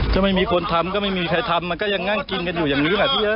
ถ้าไม่มีคนทำก็ไม่มีใครทำมันก็ยังนั่งกินกันอยู่อย่างนี้แหละพี่เอ๊